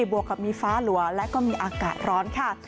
วกกับมีฟ้าหลัวและก็มีอากาศร้อนค่ะ